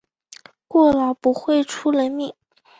过劳不会出人命